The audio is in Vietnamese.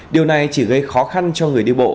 điều này chỉ gây khó khăn cho người đi bộ